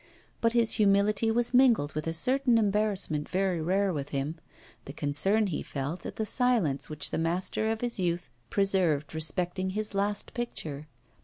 But his humility was mingled with a certain embarrassment very rare with him the concern he felt at the silence which the master of his youth preserved respecting his last picture.